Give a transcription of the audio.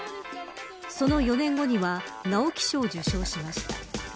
その４年後には直木賞を受賞しました。